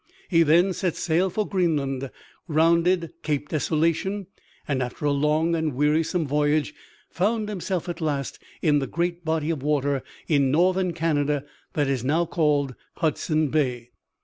He then set sail for Greenland, rounded Cape Desolation and after a long and wearisome voyage found himself at last in the great body of water in northern Canada that is now called Hudson Bay.